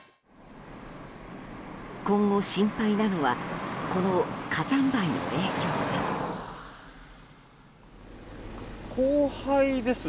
今後、心配なのはこの火山灰の影響です。